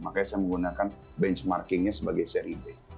makanya saya menggunakan benchmarkingnya sebagai seri b